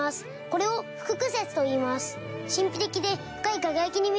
これを複屈折といいます。